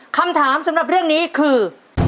คำถามสำหรับเรื่องนี้คือ